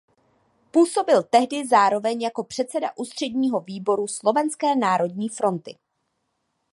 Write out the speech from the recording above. Působil tehdy zároveň jako předseda Ústředního výboru slovenské Národní fronty.